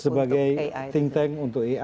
sebagai think tank untuk